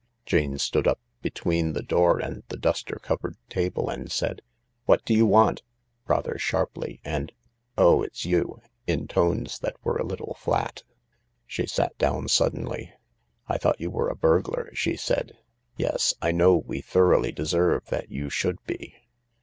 Jane stood up between the door and the duster covered table, and said, "What do you want?" rather sharply, and, "Oh, it's you 1" in tones that were a little flat. She sat down suddenly. " I thought you were a burglar," she said, " Yes — I know we thoroughly deserve that you should be."